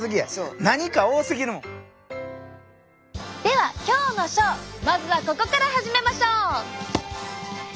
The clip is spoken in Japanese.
では今日のショーまずはここから始めましょう！